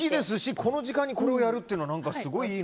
この時間にこれをやるのはすごい。